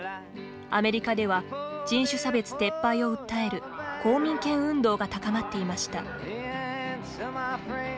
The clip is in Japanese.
アメリカでは人種差別撤廃を訴える公民権運動が高まっていました。